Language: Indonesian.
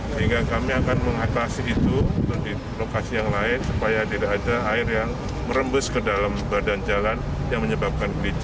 sehingga kami akan mengatasi itu di lokasi yang lain supaya tidak ada air yang merembes ke dalam badan jalan yang menyebabkan kelinci